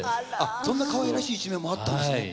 そんなかわいらしい一面もあったんですね。